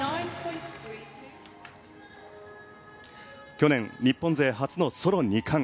去年、日本勢初のソロ２冠。